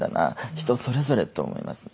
人それぞれと思いますね。